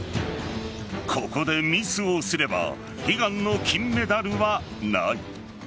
ここでミスをすれば悲願の金メダルはない。